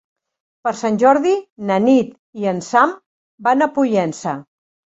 Per Sant Jordi na Nit i en Sam van a Pollença.